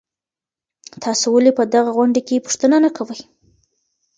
تاسو ولي په دغه غونډې کي پوښتنه نه کوئ؟